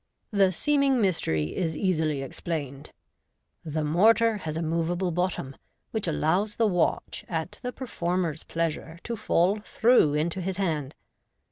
The seeming mystery is easily explained. The mortar has ■ moveable bottom, which allows the watch at the performer's pleasure to fall through into his hand.